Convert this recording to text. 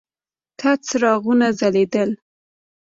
تت څراغونه ځلېدل.